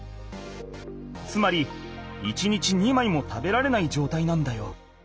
つまり１日２枚も食べられないじょうたいなんだよ。